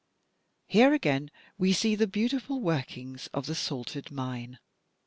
Here again we see the beauti ful workings of the salted mine.